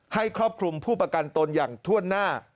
ครอบคลุมผู้ประกันตนอย่างถ้วนหน้า